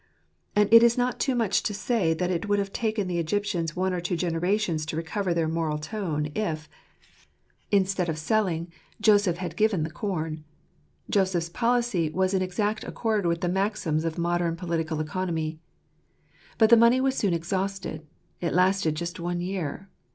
And it is not too much to say that it would have taken the Egyptians one or two generations to recover their moral tone if. 120 Jtoscjrlj'B jLirmmiatration: of (Bjjiipt. instead of selling, Joseph had given the corn. Joseph's policy was in exact accord with the maxims 'of modem political economy. But the money was soon exhausted: it lasted just one year.